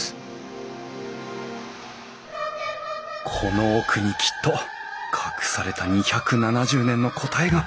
この奥にきっと隠された２７０年の答えが。